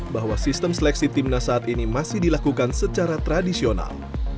bahwa sistem seleksi timnas saat ini masih dilakukan secara tradisional